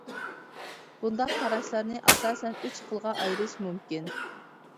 بۇنداق قاراشلارنى ئاساسەن ئۈچ خىلغا ئايرىش مۇمكىن.